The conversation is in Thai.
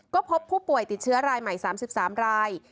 ก็พบผู้ป่วยติดเชื้อรายใหม่๓๓ราย